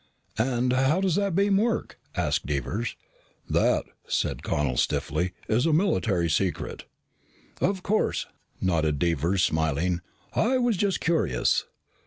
"And how does that radar beam work?" asked Devers. "That," said Connel stiffly, "is a military secret." "Of course," nodded Devers, smiling. "I was just curious."